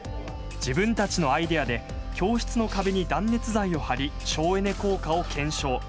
自分たちのアイデアで教室の壁に断熱材を貼り省エネ効果を検証。